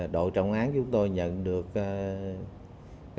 độ trọng án chúng tôi nhận được